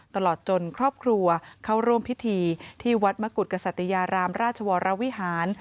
ตลอดจนครอบครัวเข้าร่วมพิธีที่วัดมกุฎกษัตยารามราชวรวิหาร